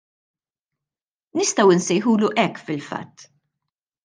Nistgħu nsejħulu hekk fil-fatt.